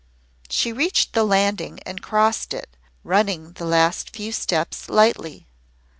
She reached the landing and crossed it, running the last few steps lightly.